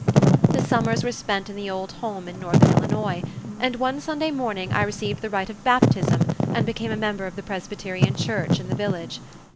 The summers were spent in the old home in northern Illinois, and one Sunday morning I received the rite of baptism and became a member of the Presbyterian church in the village.